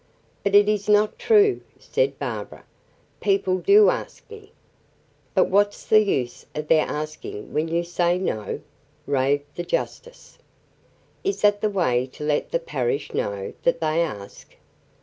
"But it is not true," said Barbara; "people do ask me." "But what's the use of their asking when you say 'No?'" raved the justice. "Is that the way to let the parish know that they ask?